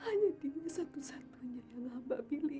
hanya dia satu satunya yang hamba miliki